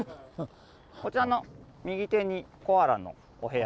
こちらの右手にコアラのお部屋。